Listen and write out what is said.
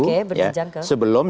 oke berjanjang ke sebelum